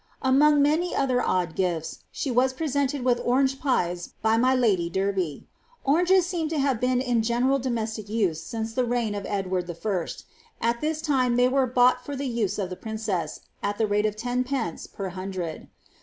Among many other odd gif^s, she was presented with orange pies by my lady Derby. Oranges seem to have been in general domestic use since the reign of Edward 1. ; at this time they were bought for the use of the princess, at the rate of \0d. per hundred.